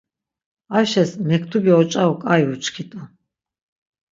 Ayşes mektubi oç̌aru ǩai uçkit̆u.